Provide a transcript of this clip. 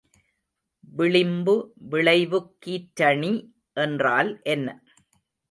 விளிம்பு விளைவுக் கீற்றணி என்றால் என்ன?